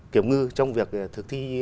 kiểm ngư trong việc thực thi